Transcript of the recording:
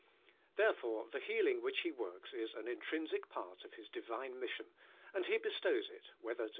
Therefore the healing which He works is an intrinsic part of nis di vine mission, and He bestows it, whether DIVIDE HEALING.